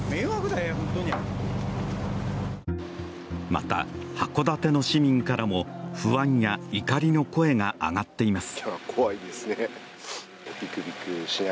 また、函館の市民からも不安や怒りの声が上がっています。